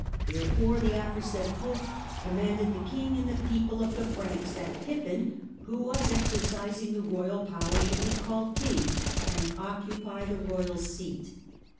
Therefore the aforesaid Pope commanded the king and people of the Franks that Pippin, who was exercising the royal power, should be called king, and occupy the royal seat.